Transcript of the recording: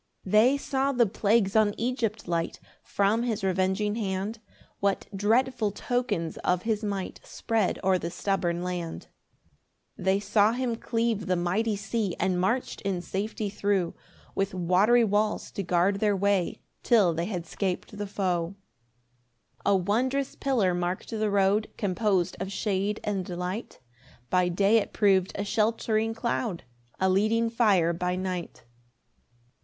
3 They saw the plagues on Egypt light, From his revenging hand: What dreadful tokens of his might Spread o'er the stubborn land! 4 They saw him cleave the mighty sea, And march'd in safety thro', With watery walls to guard their way, Till they had 'scap'd the foe. 5 A wondrous pillar mark'd the road, Compos'd of shade and light; By day it prov'd a sheltering cloud, A leading fire by night.